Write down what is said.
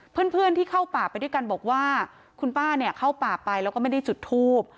เพื่อนที่เข้าป่าไปด้วยกันบอกว่าคุณป้าเนี่ยเข้าป่าไปแล้วก็ไม่ได้จุดทูบ